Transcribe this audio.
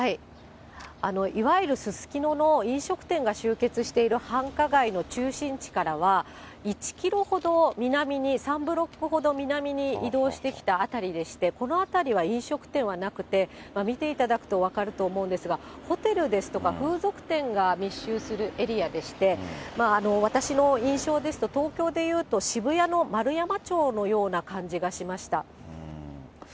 いわゆるすすきのの飲食店が集結している繁華街の中心地からは、１キロほど南に、３ブロックほど南に移動してきた辺りでして、この辺りは飲食店はなくて、見ていただくと分かると思うんですが、ホテルですとか、風俗店が密集するエリアでして、私の印象ですと、東京でいうと、渋谷の円山町のような感じがしました。